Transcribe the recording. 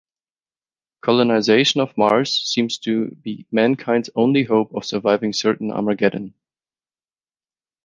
Colonization of Mars seems to be mankind's only hope of surviving certain Armageddon.